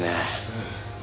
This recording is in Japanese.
うん。